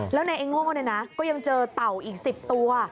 แล้วในไอ้โง่เนี่ยนะก็ยังเจอเต่าอีกสิบตัว